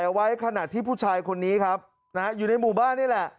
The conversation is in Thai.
ถ่ายไว้ขณะที่ผู้ชายคนนี้นะครับอยู่ในหมู่บ้าน